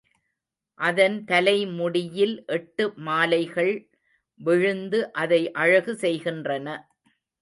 அதன் தலை முடியில் எட்டு மாலைகள் விழுந்து அதை அழகு செய்கின்றன.